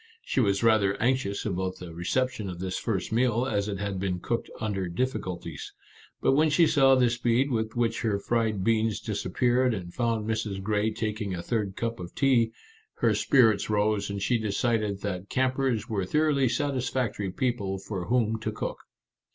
She was rather anxious about the reception of this first meal, as it had been cooked under difficulties. But when she saw the speed with which her fried beans disappeared, and found Mrs. Grey taking a third cup of tea, her 54 Our Little Canadian Cousin spirits rose, and she decided that campers were thoroughly satisfactory people for whom to cook